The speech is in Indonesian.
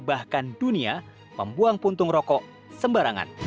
bahkan dunia membuang puntung rokok sembarangan